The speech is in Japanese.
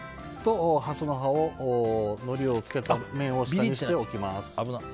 ハスの葉をのりをつけた面を下にして置きます。